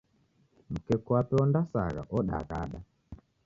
Mkeku wape ondasagha odaghada!